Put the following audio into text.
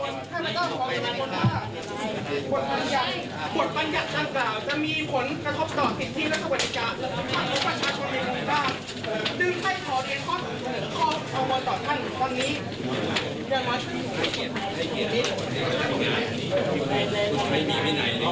นายของส่วนงานของเรานะคะขอเชิญอย่าทำไม่ชอบ